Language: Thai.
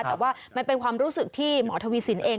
แต่ว่ามันเป็นความรู้สึกที่หมอทวีสินเอง